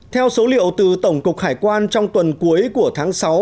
theo số liệu từ tổng cục hải quan trong tuần cuối của tháng sáu